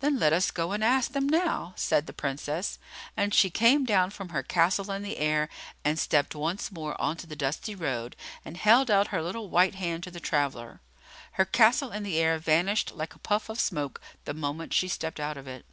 "Then let us go and ask them now," said the Princess; and she came down from her castle in the air, and stepped once more on to the dusty road, and held out her little white hand to the traveller. Her castle in the air vanished like a puff of smoke the moment she stepped out of it.